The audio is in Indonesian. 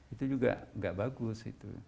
itu juga gak bagus